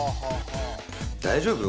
大丈夫？